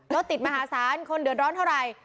รถติดมหาศาลคนเดือดร้อนเท่าไหร่